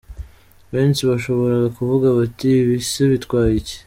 Benshi bashobora kuvuga bati ibi se bitwaye iki ?.